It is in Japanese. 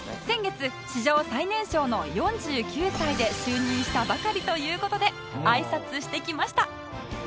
先月史上最年少の４９歳で就任したばかりという事で挨拶してきました